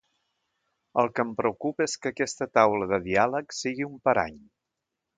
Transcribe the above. El que em preocupa és que aquesta taula de diàleg sigui un parany.